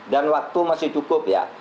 dan waktu masih cukup ya